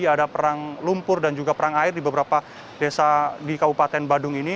ada perang lumpur dan juga perang air di beberapa desa di kabupaten badung ini